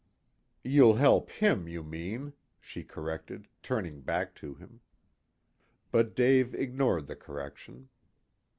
"You'll help him, you mean," she corrected, turning back to him. But Dave ignored the correction.